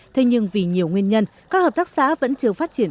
thế nhưng vì nhiều nguyên nhân các hợp tác xã vẫn chưa phát triển